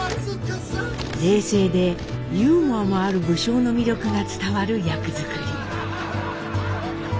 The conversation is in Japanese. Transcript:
冷静でユーモアもある武将の魅力が伝わる役作り。